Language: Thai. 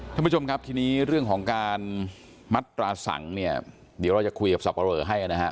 ท่านผู้ชมครับทีนี้เรื่องของการมัตราสังเนี่ยเดี๋ยวเราจะคุยกับสับปะเหลอให้นะฮะ